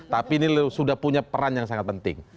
tapi ini sudah punya peran yang sangat penting